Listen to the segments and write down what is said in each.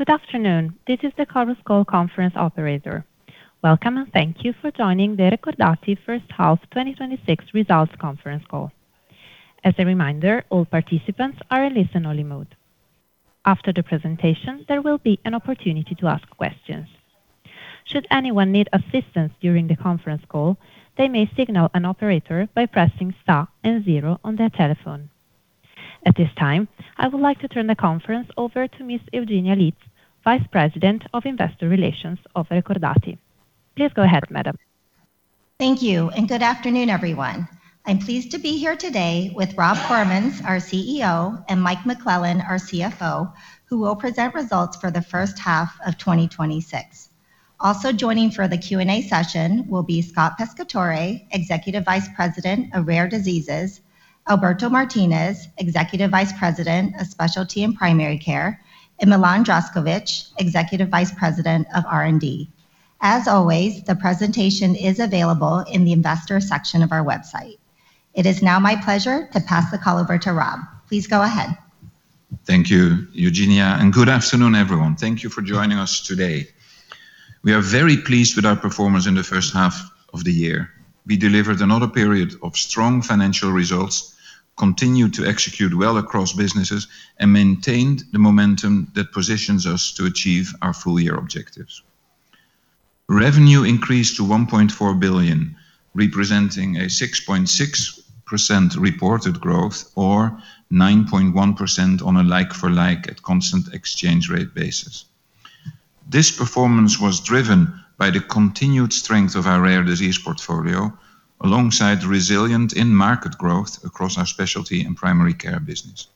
Good afternoon. This is the Chorus Call conference operator. Welcome and thank you for joining the Recordati H1 2026 results conference call. As a reminder, all participants are in listen-only mode. After the presentation, there will be an opportunity to ask questions. Should anyone need assistance during the conference call, they may signal an operator by pressing star and zero on their telephone. At this time, I would like to turn the conference over to Miss Eugenia Litz, Vice President of Investor Relations of Recordati. Please go ahead, madam. Thank you. Good afternoon, everyone. I am pleased to be here today with Rob Koremans, our CEO, and Mike McClellan, our CFO, who will present results for the H1 of 2026. Also joining for the Q&A session will be Scott Pescatore, Executive Vice President of Rare Diseases, Alberto Martinez, Executive Vice President of Specialty and Primary Care, and Milan Zdravkovic, Executive Vice President of R&D. As always, the presentation is available in the investor section of our website. It is now my pleasure to pass the call over to Rob. Please go ahead. Thank you, Eugenia. Good afternoon, everyone. Thank you for joining us today. We are very pleased with our performance in the H1 of the year. We delivered another period of strong financial results, continued to execute well across businesses, and maintained the momentum that positions us to achieve our full-year objectives. Revenue increased to 1.4 billion, representing a 6.6% reported growth or 9.1% on a like-for-like at constant exchange rate basis. This performance was driven by the continued strength of our Rare Disease portfolio, alongside resilient in-market growth across our Specialty and Primary Care business.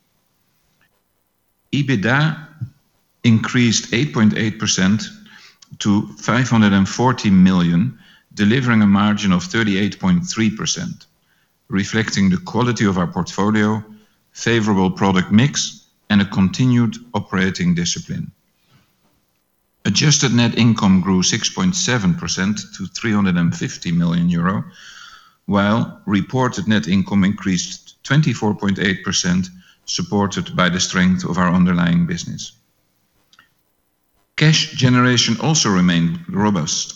EBITDA increased 8.8% to 540 million, delivering a margin of 38.3%, reflecting the quality of our portfolio, favorable product mix, and a continued operating discipline. Adjusted net income grew 6.7% to 350 million euro, while reported net income increased 24.8%, supported by the strength of our underlying business. Cash generation also remained robust.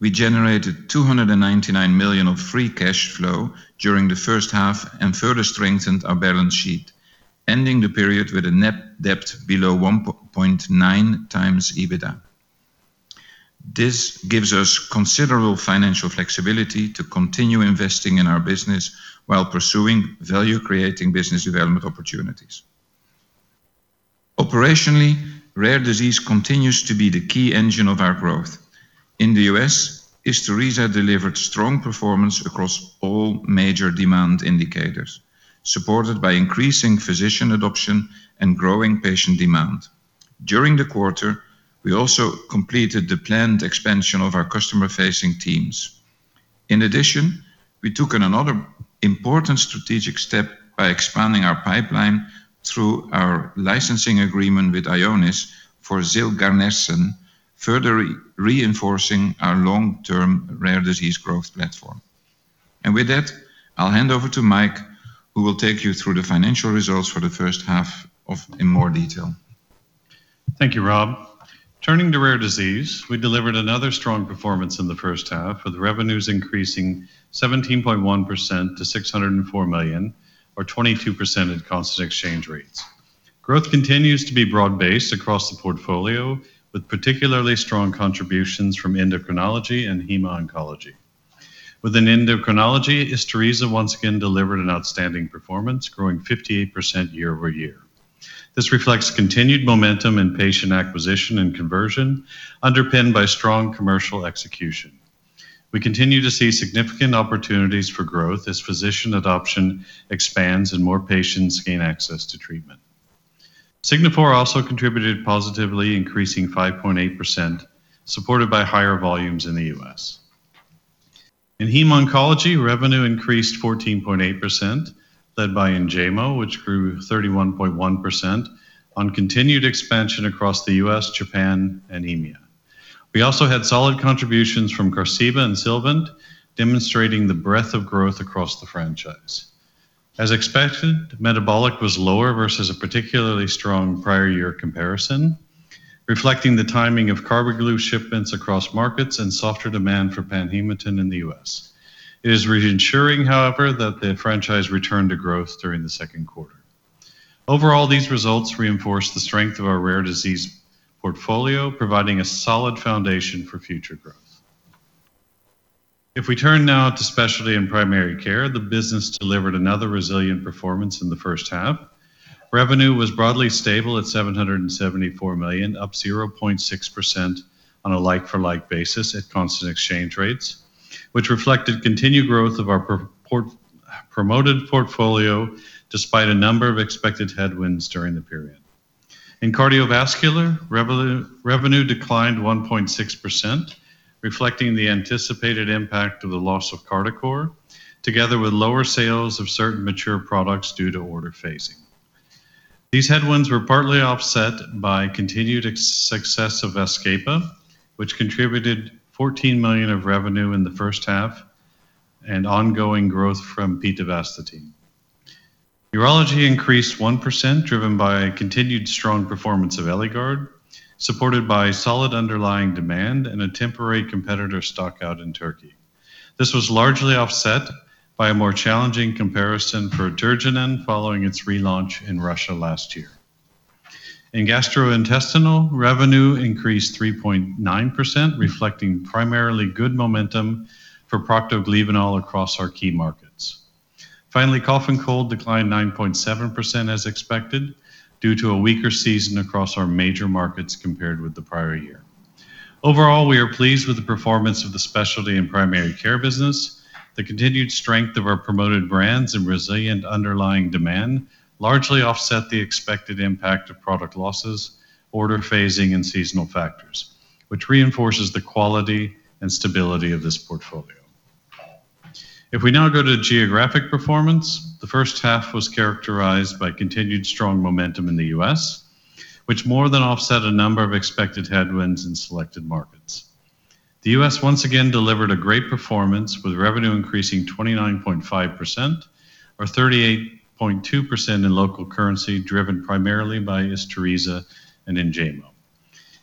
We generated 299 million of free cash flow during the first half and further strengthened our balance sheet, ending the period with a net debt below 1.9 times EBITDA. This gives us considerable financial flexibility to continue investing in our business while pursuing value-creating business development opportunities. Operationally, Rare Disease continues to be the key engine of our growth. In the U.S., Isturisa delivered strong performance across all major demand indicators, supported by increasing physician adoption and growing patient demand. During the quarter, we also completed the planned expansion of our customer-facing teams. In addition, we took another important strategic step by expanding our pipeline through our licensing agreement with Ionis for zilganersen, further reinforcing our long-term Rare Disease growth platform. With that, I will hand over to Mike, who will take you through the financial results for the H1 in more detail. Thank you, Rob. Turning to rare disease, we delivered another strong performance in the first half, with revenues increasing 17.1% to 604 million, or 22% at constant exchange rates. Growth continues to be broad-based across the portfolio, with particularly strong contributions from endocrinology and hemoncology. Within endocrinology, Isturisa once again delivered an outstanding performance, growing 58% year-over-year. This reflects continued momentum in patient acquisition and conversion, underpinned by strong commercial execution. We continue to see significant opportunities for growth as physician adoption expands and more patients gain access to treatment. Signifor also contributed positively, increasing 5.8%, supported by higher volumes in the U.S. In hemoncology, revenue increased 14.8%, led by Enjaymo, which grew 31.1% on continued expansion across the U.S., Japan, and EMEA. We also had solid contributions from Carbaglu and Sylvant, demonstrating the breadth of growth across the franchise. As expected, metabolic was lower versus a particularly strong prior year comparison, reflecting the timing of Carbaglu shipments across markets and softer demand for PANHEMATIN in the U.S. It is reassuring, however, that the franchise returned to growth during the second quarter. Overall, these results reinforce the strength of our rare disease portfolio, providing a solid foundation for future growth. If we turn now to specialty and primary care, the business delivered another resilient performance in the H1. Revenue was broadly stable at 774 million, up 0.6% on a like-for-like basis at constant exchange rates, which reflected continued growth of our promoted portfolio despite a number of expected headwinds during the period. In cardiovascular, revenue declined 1.6%, reflecting the anticipated impact of the loss of Cardicor, together with lower sales of certain mature products due to order phasing. These headwinds were partly offset by continued success of Vazkepa, which contributed 14 million of revenue in the first half and ongoing growth from pitavastatin. Urology increased 1%, driven by a continued strong performance of Eligard, supported by solid underlying demand and a temporary competitor stock-out in Turkey. This was largely offset by a more challenging comparison for Terginan following its relaunch in Russia last year. In gastrointestinal, revenue increased 3.9%, reflecting primarily good momentum for Procto-Glyvenol across our key markets. Finally, cough and cold declined 9.7% as expected, due to a weaker season across our major markets compared with the prior year. Overall, we are pleased with the performance of the specialty and primary care business. The continued strength of our promoted brands and resilient underlying demand largely offset the expected impact of product losses, order phasing, and seasonal factors, which reinforces the quality and stability of this portfolio. If we now go to geographic performance, the H1 was characterized by continued strong momentum in the U.S., which more than offset a number of expected headwinds in selected markets. The U.S. once again delivered a great performance with revenue increasing 29.5%, or 38.2% in local currency, driven primarily by Isturisa and Enjaymo.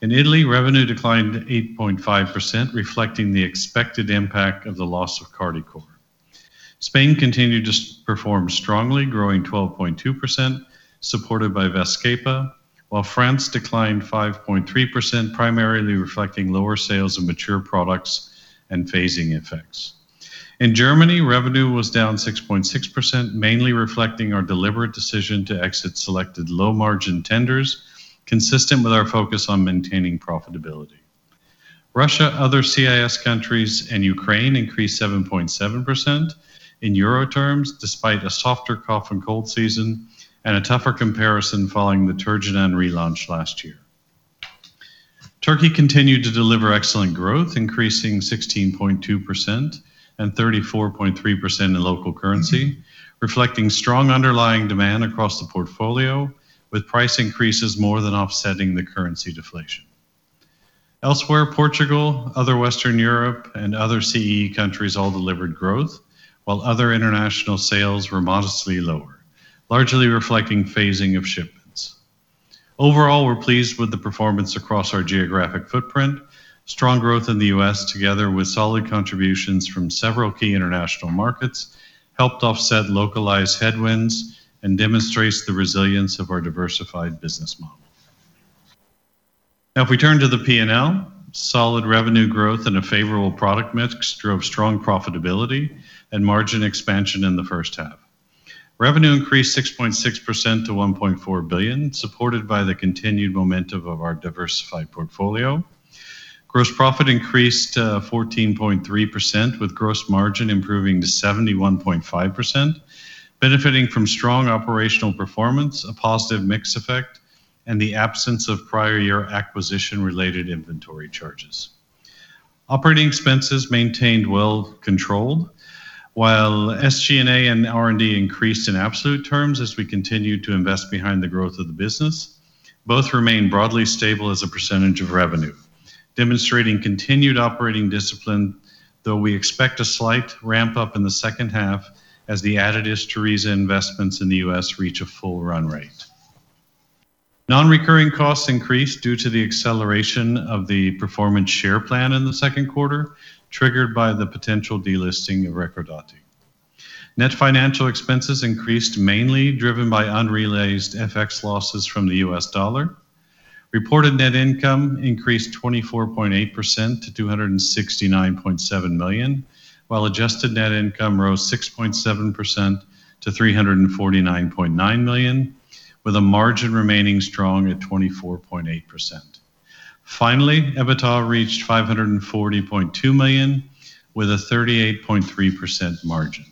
In Italy, revenue declined 8.5%, reflecting the expected impact of the loss of Cardicor. Spain continued to perform strongly, growing 12.2%, supported by Vazkepa, while France declined 5.3%, primarily reflecting lower sales of mature products and phasing effects. In Germany, revenue was down 6.6%, mainly reflecting our deliberate decision to exit selected low-margin tenders, consistent with our focus on maintaining profitability. Russia, other CIS countries, and Ukraine increased 7.7% in EUR terms, despite a softer cough and cold season and a tougher comparison following the Terginan relaunch last year. Turkey continued to deliver excellent growth, increasing 16.2% and 34.3% in local currency, reflecting strong underlying demand across the portfolio, with price increases more than offsetting the currency deflation. Elsewhere, Portugal, other Western Europe, and other CEE countries all delivered growth, while other international sales were modestly lower, largely reflecting phasing of shipments. Overall, we're pleased with the performance across our geographic footprint. Strong growth in the U.S., together with solid contributions from several key international markets, helped offset localized headwinds and demonstrates the resilience of our diversified business model. If we turn to the P&L, solid revenue growth and a favorable product mix drove strong profitability and margin expansion in the H1. Revenue increased 6.6% to 1.4 billion, supported by the continued momentum of our diversified portfolio. Gross profit increased to 14.3%, with gross margin improving to 71.5%, benefiting from strong operational performance, a positive mix effect, and the absence of prior-year acquisition-related inventory charges. Operating expenses maintained well-controlled. While SG&A and R&D increased in absolute terms as we continue to invest behind the growth of the business, both remain broadly stable as a percentage of revenue, demonstrating continued operating discipline, though we expect a slight ramp-up in the H2 as the added Isturisa investments in the U.S. reach a full run rate. Non-recurring costs increased due to the acceleration of the LTI Performance Share Plan in the second quarter, triggered by the potential delisting of Recordati. Net financial expenses increased, mainly driven by unrealized FX losses from the US dollar. Reported net income increased 24.8% to 269.7 million, while adjusted net income rose 6.7% to 349.9 million, with the margin remaining strong at 24.8%. Finally, EBITDA reached 540.2 million, with a 38.3% margin.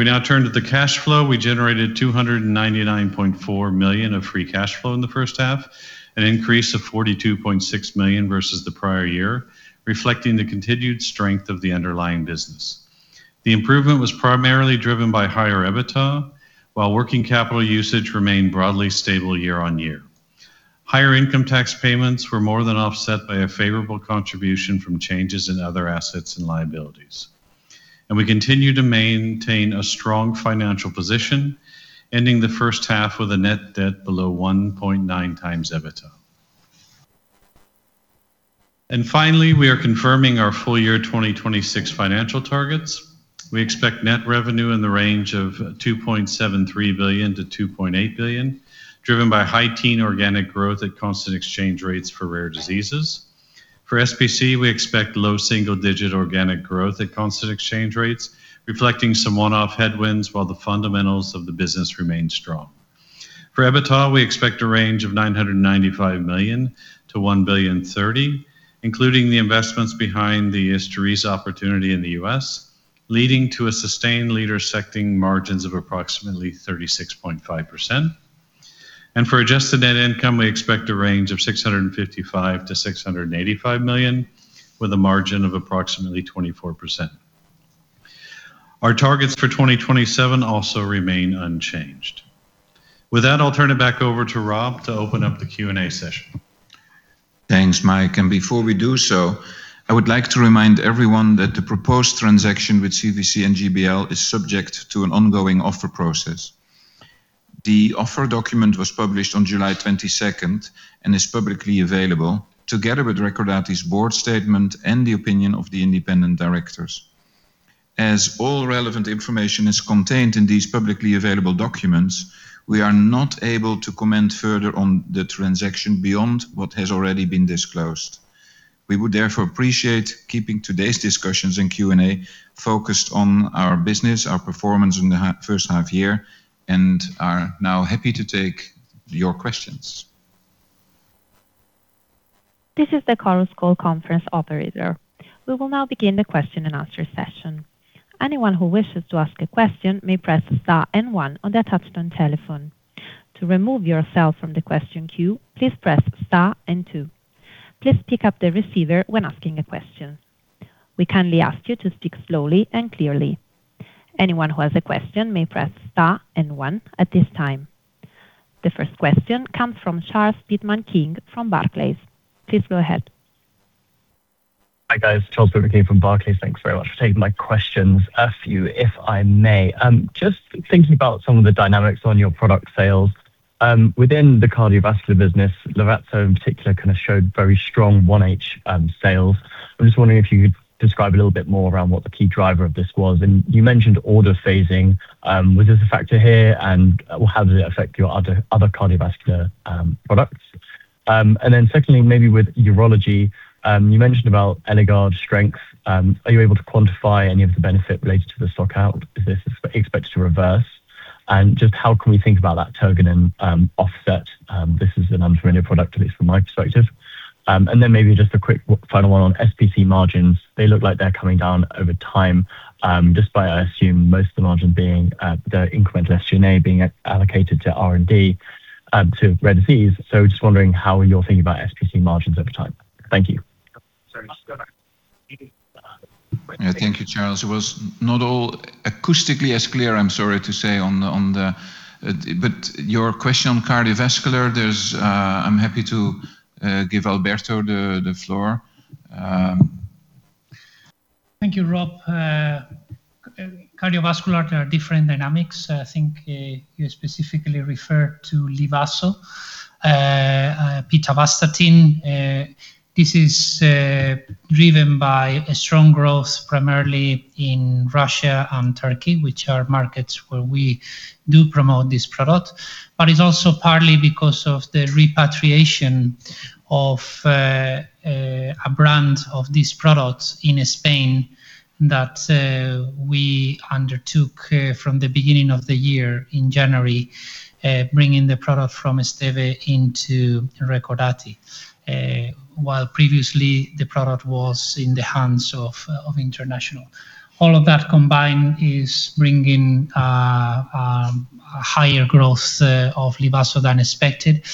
We now turn to the cash flow. We generated 299.4 million of free cash flow in the H1, an increase of 42.6 million versus the prior year, reflecting the continued strength of the underlying business. The improvement was primarily driven by higher EBITDA, while working capital usage remained broadly stable year-on-year. Higher income tax payments were more than offset by a favorable contribution from changes in other assets and liabilities. We continue to maintain a strong financial position, ending the H1 with a net debt below 1.9x EBITDA. Finally, we are confirming our full-year 2026 financial targets. We expect net revenue in the range of 2.73 billion-2.8 billion, driven by high teen organic growth at constant exchange rates for rare diseases. For SPC, we expect low single-digit organic growth at constant exchange rates, reflecting some one-off headwinds while the fundamentals of the business remain strong. For EBITDA, we expect a range of 995 million-1.03 billion, including the investments behind the Isturisa opportunity in the U.S., leading to a sustained leader setting margins of approximately 36.5%. For adjusted net income, we expect a range of 655 million-685 million, with a margin of approximately 24%. Our targets for 2027 also remain unchanged. With that, I'll turn it back over to Rob to open up the Q&A session Thanks, Mike. Before we do so, I would like to remind everyone that the proposed transaction with CVC and GBL is subject to an ongoing offer process. The offer document was published on July 22nd and is publicly available, together with Recordati's board statement and the opinion of the independent directors. All relevant information is contained in these publicly available documents, we are not able to comment further on the transaction beyond what has already been disclosed. We would therefore appreciate keeping today's discussions in Q&A focused on our business, our performance in the first half year, and are now happy to take your questions. This is the Chorus Call Conference operator. We will now begin the question and answer session. Anyone who wishes to ask a question may press star and one on their touchtone telephone. To remove yourself from the question queue, please press star and two. Please pick up the receiver when asking a question. We kindly ask you to speak slowly and clearly. Anyone who has a question may press star and one at this time. The first question comes from Charles Pitman-King from Barclays. Please go ahead. Hi, guys. Charles Pitman-King from Barclays. Thanks very much for taking my questions. A few, if I may. Just thinking about some of the dynamics on your product sales. Within the cardiovascular business, Livazo in particular showed very strong 1H sales. I'm just wondering if you could describe a little bit more around what the key driver of this was, you mentioned order phasing. Was this a factor here, and how does it affect your other cardiovascular products? Secondly, maybe with urology, you mentioned about Eligard strength. Are you able to quantify any of the benefit related to the stock out? Is this expected to reverse? How can we think about that Terginan offset? This is an unfamiliar product, at least from my perspective. Maybe just a quick final one on SPC margins. They look like they're coming down over time, just by, I assume, most of the margin being the incremental SG&A being allocated to R&D, to rare disease. Just wondering how you're thinking about SPC margins over time. Thank you. Yeah. Thank you, Charles. It was not all acoustically as clear, I'm sorry to say. Your question on cardiovascular, I'm happy to give Alberto the floor. Thank you, Rob. Cardiovascular, there are different dynamics. I think you specifically refer to Livazo, pitavastatin. This is driven by a strong growth, primarily in Russia and Turkey, which are markets where we do promote this product. It's also partly because of the repatriation of a brand of these products in Spain that we undertook from the beginning of the year in January, bringing the product from Esteve into Recordati, while previously the product was in the hands of international. All of that combined is bringing a higher growth of Livazo than expected.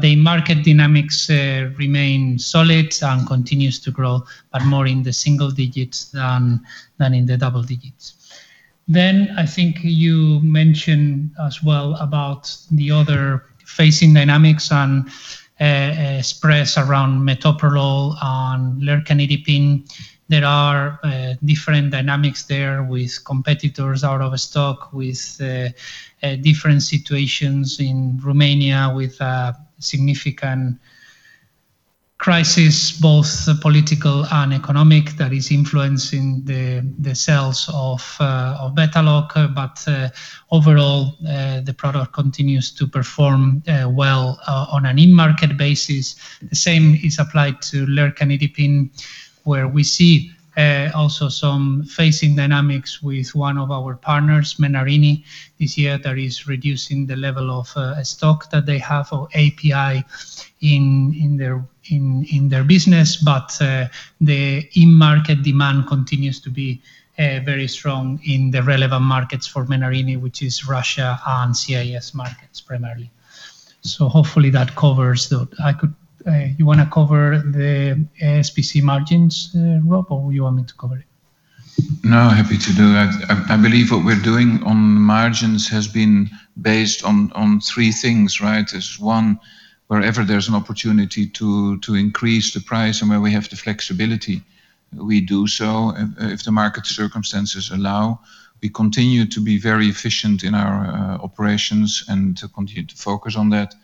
The market dynamics remain solid and continues to grow, more in the single digits than in the double digits. I think you mention as well about the other phasing dynamics and spreads around metoprolol and lercanidipine. There are different dynamics there with competitors out of stock, with different situations in Romania, with a significant crisis, both political and economic, that is influencing the sales of Betaloc. Overall, the product continues to perform well on an in-market basis. The same is applied to lercanidipine, where we see also some phasing dynamics with one of our partners, Menarini, this year that is reducing the level of stock that they have or API in their business. The in-market demand continues to be very strong in the relevant markets for Menarini, which is Russia and CIS markets primarily. Hopefully that covers You want to cover the SPC margins, Rob, or you want me to cover it? No, happy to do that. I believe what we're doing on margins has been based on three things. There's one, wherever there's an opportunity to increase the price and where we have the flexibility, we do so if the market circumstances allow. We continue to be very efficient in our operations and continue to focus on that.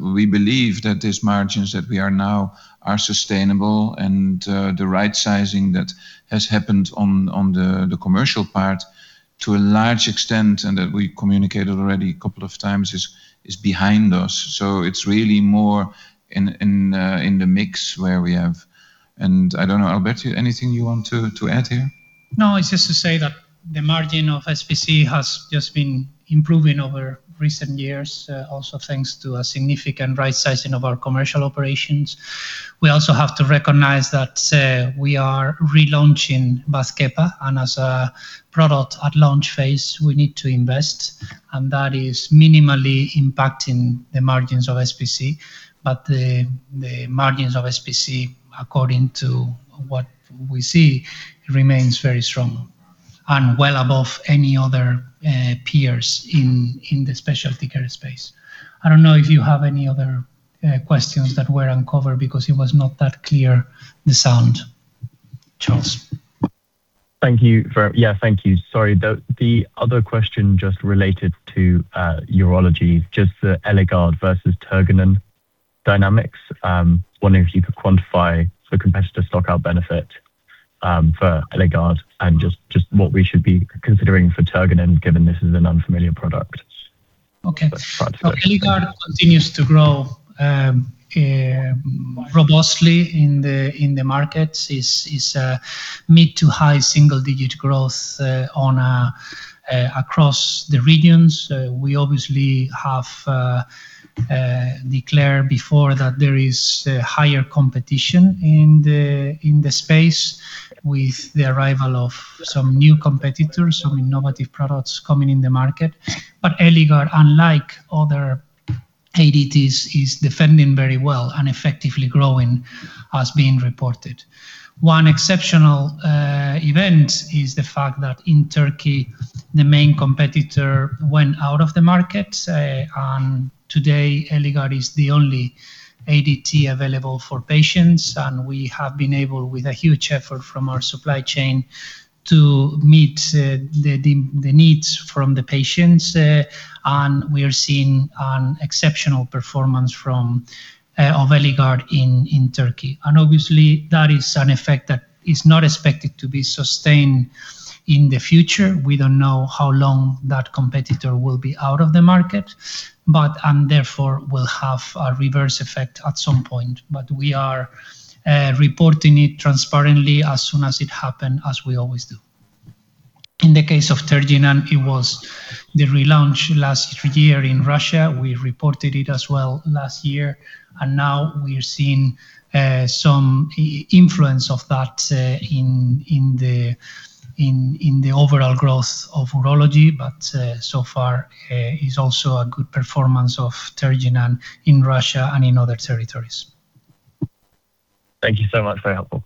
We believe that these margins that we are now are sustainable, and the right sizing that has happened on the commercial part to a large extent, and that we communicated already a couple of times, is behind us. It's really more in the mix where we have. I don't know, Alberto, anything you want to add here? It's just to say that the margin of SPC has just been improving over recent years, also thanks to a significant right-sizing of our commercial operations. We also have to recognize that we are relaunching Vazkepa, and as a product at launch phase, we need to invest, and that is minimally impacting the margins of SPC. The margins of SPC, according to what we see, remains very strong. Well above any other peers in the specialty care space. I don't know if you have any other questions that were uncovered because it was not that clear, the sound. Charles? Thank you. Sorry. The other question just related to urology, just the Eligard versus Terginan dynamics. Wondering if you could quantify the competitive stock-out benefit for Eligard and just what we should be considering for Terginan, given this is an unfamiliar product. Okay. Eligard continues to grow robustly in the markets. It's mid-to-high single-digit growth across the regions. We obviously have declared before that there is higher competition in the space with the arrival of some new competitors, some innovative products coming in the market. Eligard, unlike other ADTs, is defending very well and effectively growing as being reported. One exceptional event is the fact that in Turkey, the main competitor went out of the market. Today Eligard is the only ADT available for patients, and we have been able, with a huge effort from our supply chain, to meet the needs from the patients. We are seeing an exceptional performance of Eligard in Turkey. Obviously, that is an effect that is not expected to be sustained in the future. We don't know how long that competitor will be out of the market. Therefore, will have a reverse effect at some point. We are reporting it transparently as soon as it happened, as we always do. In the case of Terginan, it was the relaunch last year in Russia. We reported it as well last year, now we're seeing some influence of that in the overall growth of urology. So far, it's also a good performance of Terginan in Russia and in other territories. Thank you so much. Very helpful.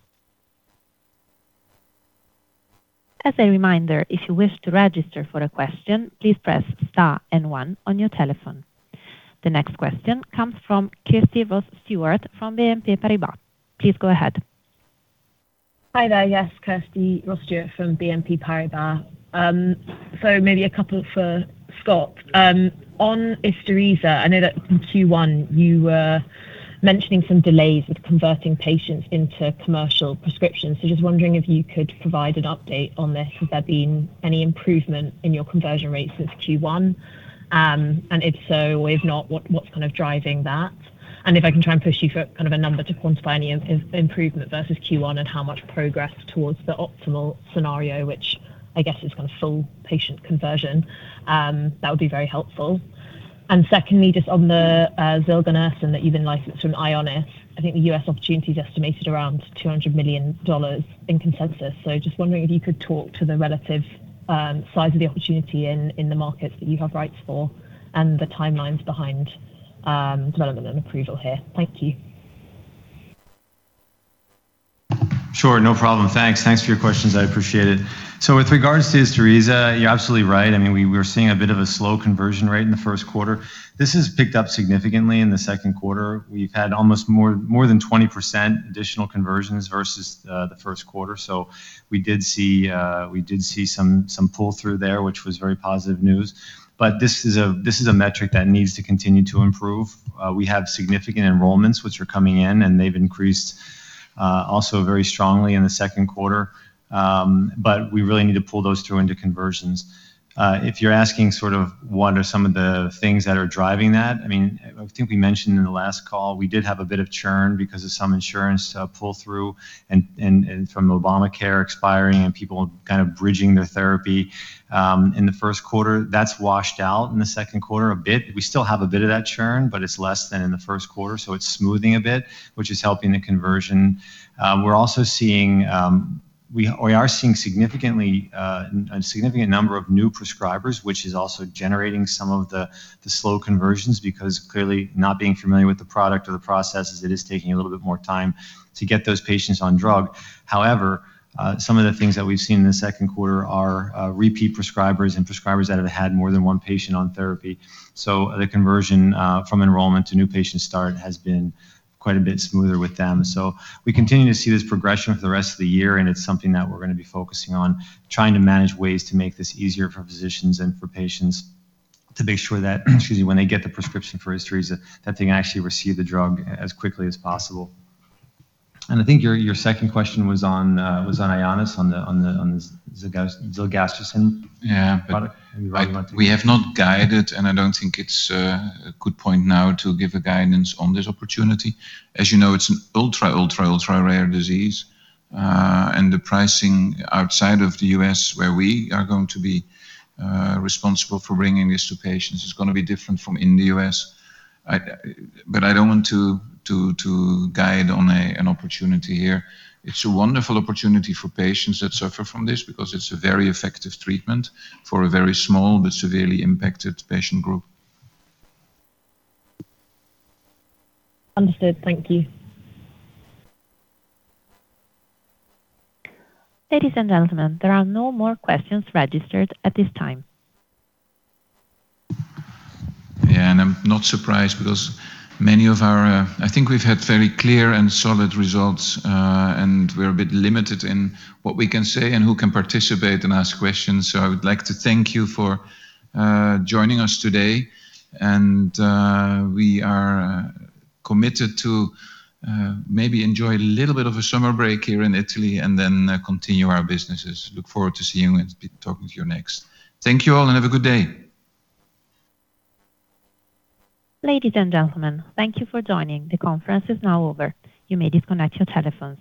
As a reminder, if you wish to register for a question, please press star and one on your telephone. The next question comes from Kirsty Ross-Stewart from BNP Paribas. Please go ahead. Hi there. Yes, Kirsty Ross-Stewart from BNP Paribas. Maybe a couple for Scott. On Isturisa, I know that in Q1 you were mentioning some delays with converting patients into commercial prescriptions. Just wondering if you could provide an update on this. Has there been any improvement in your conversion rate since Q1? If so or if not, what's kind of driving that? If I can try and push you for kind of a number to quantify any improvement versus Q1 and how much progress towards the optimal scenario, which I guess is full patient conversion, that would be very helpful. Secondly, just on the zilganersen that you've been licensed from Ionis. I think the U.S. opportunity is estimated around $200 million in consensus. Just wondering if you could talk to the relative size of the opportunity in the markets that you have rights for and the timelines behind development and approval here. Thank you. Sure. No problem. Thanks for your questions. I appreciate it. With regards to Isturisa, you are absolutely right. We were seeing a bit of a slow conversion rate in the first quarter. This has picked up significantly in the second quarter. We have had almost more than 20% additional conversions versus the first quarter. We did see some pull-through there, which was very positive news. This is a metric that needs to continue to improve. We have significant enrollments which are coming in, and they have increased also very strongly in the second quarter. But we really need to pull those through into conversions. If you are asking what are some of the things that are driving that, I think we mentioned in the last call, we did have a bit of churn because of some insurance pull-through and from Obamacare expiring and people kind of bridging their therapy in the first quarter. That is washed out in the second quarter a bit. We still have a bit of that churn, but it is less than in the first quarter, so it is smoothing a bit, which is helping the conversion. We are seeing a significant number of new prescribers, which is also generating some of the slow conversions, because clearly not being familiar with the product or the processes, it is taking a little bit more time to get those patients on drug. However, some of the things that we have seen in the second quarter are repeat prescribers and prescribers that have had more than one patient on therapy. The conversion from enrollment to new patient start has been quite a bit smoother with them. We continue to see this progression for the rest of the year, and it is something that we are going to be focusing on, trying to manage ways to make this easier for physicians and for patients to make sure that when they get the prescription for Isturisa, that they can actually receive the drug as quickly as possible. I think your second question was on Ionis, on the zilganersen. Yeah. Product. We have not guided, and I do not think it is a good point now to give a guidance on this opportunity. As you know, it is an ultra, ultra-rare disease. The pricing outside of the U.S., where we are going to be responsible for bringing this to patients, is going to be different from in the U.S. But I do not want to guide on an opportunity here. It is a wonderful opportunity for patients that suffer from this because it is a very effective treatment for a very small but severely impacted patient group. Understood. Thank you. Ladies and gentlemen, there are no more questions registered at this time. Yeah, I'm not surprised because I think we've had very clear and solid results, and we're a bit limited in what we can say and who can participate and ask questions. I would like to thank you for joining us today, and we are committed to maybe enjoy a little bit of a summer break here in Italy and then continue our businesses. Look forward to seeing you and speaking, talking to you next. Thank you all and have a good day. Ladies and gentlemen, thank you for joining. The conference is now over. You may disconnect your telephones.